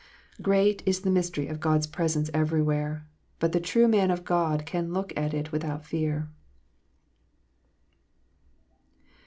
Great is the mystery of God s presence everywhere ; but the true man of God can look at it without fear.